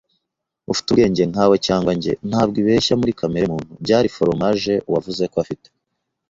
ufite ubwenge nkawe cyangwa njye. Ntabwo ibeshya muri kamere muntu. Byari foromaje wavuze ko afite